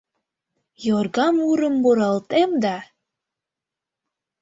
Йорга мурым муралтем да